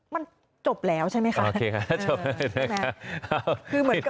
มันจบแล้วใช่ไหมคะ